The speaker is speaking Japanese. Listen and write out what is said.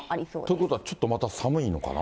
ということはちょっとまた寒いのかな？